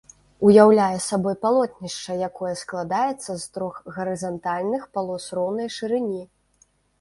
Уяўляе сабой палотнішча, якое складаецца з трох гарызантальных палос роўнай шырыні.